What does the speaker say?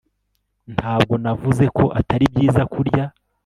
ntabwo navuze ko atari byiza kurya